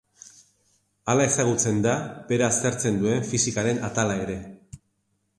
Hala ezagutzen da bera aztertzen duen fisikaren atala ere.